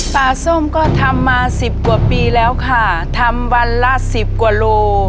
ส้มก็ทำมาสิบกว่าปีแล้วค่ะทำวันละสิบกว่าโล